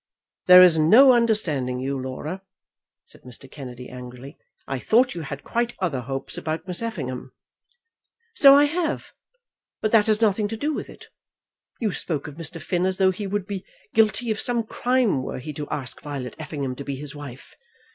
"There is no understanding you, Laura," said Mr. Kennedy, angrily. "I thought you had quite other hopes about Miss Effingham." "So I have; but that has nothing to do with it. You spoke of Mr. Finn as though he would be guilty of some crime were he to ask Violet Effingham to be his wife.